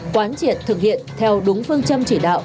quán triệt thực hiện theo đúng phương châm chỉ đạo